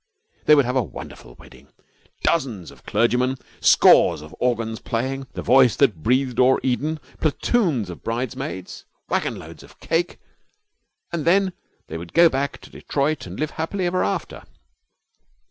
They would have a wonderful wedding dozens of clergymen, scores of organs playing 'The Voice that Breathed o'er Eden,' platoons of bridesmaids, wagonloads of cake. And then they would go back to Detroit and live happy ever after.